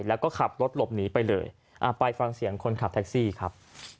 แล้วก็ขับรถหลบหนีไปเลยไปฟังเสียงคนขับแท็กซี่ครับ